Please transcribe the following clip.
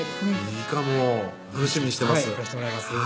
いいかも楽しみにしてます